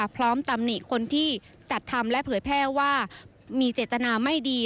ตำหนิคนที่จัดทำและเผยแพร่ว่ามีเจตนาไม่ดี